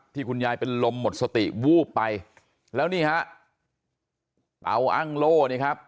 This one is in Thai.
คุณยายเป็นลมหมดสติวูบไปแล้วนี่ฮะเตาอ้างโล่เนี่ยครับ